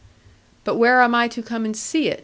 'But where am I to come and see it?